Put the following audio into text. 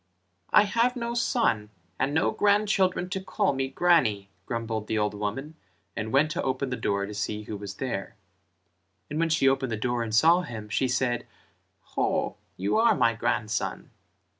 "I have no son, and no grandchildren to call me grannie," grumbled the old woman and went to open the door to see who was there, and when she opened the door and saw him, she said "Ho, you are my grandson."